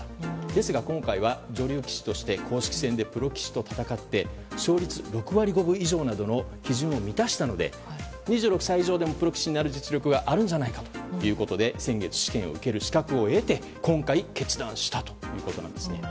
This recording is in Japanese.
ですが、今回は女流棋士として公式戦でプロ棋士と戦って勝率６割５分以上などの基準を満たしたので２６歳以上でもプロ棋士になる実力があるのではないかということで先月、試験を受ける資格を得て今回決断したということなんです。